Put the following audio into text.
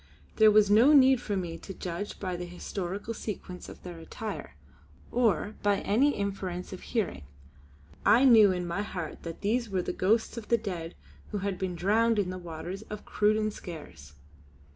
There was no need for me to judge by the historical sequence of their attire, or by any inference of hearing; I knew in my heart that these were the ghosts of the dead who had been drowned in the waters of the Cruden Skares.